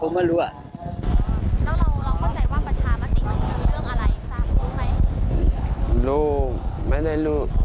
เขาก็ว่าจะใช้สิทธิ์ที่ดีที่สุด